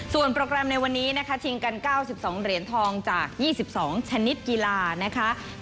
ส่วนโปรแกรมในวันนี้นะคะชิงกัน๙๒เหรียญทองจาก๒๒ชนิดกีฬานะคะ